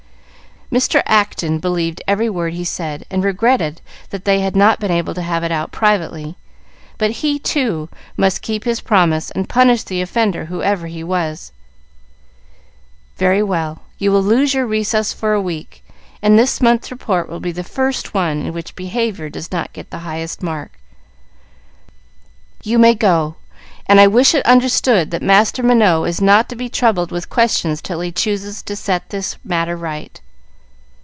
Mr. Acton believed every word he said, and regretted that they had not been able to have it out privately, but he, too, must keep his promise and punish the offender, whoever he was. "Very well, you will lose your recess for a week, and this month's report will be the first one in which behavior does not get the highest mark. You may go; and I wish it understood that Master Minot is not to be troubled with questions till he chooses to set this matter right."